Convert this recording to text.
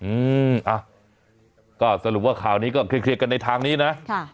อืมอ่ะก็สรุปว่าข่าวนี้ก็เคลียร์กันในทางนี้นะค่ะ